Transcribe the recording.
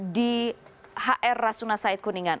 di hr rasuna said kuningan